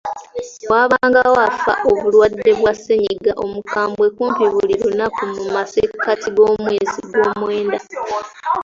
Waabangawo afa obulwadde bwa ssennyiga omukambwe kumpi buli lunaku mu masekkati gw'omwezi ogwomwenda.